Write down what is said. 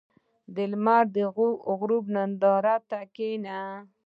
• د لمر د غروب نندارې ته کښېنه.